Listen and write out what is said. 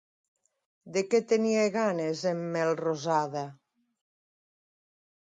De què tenia ganes en Melrosada?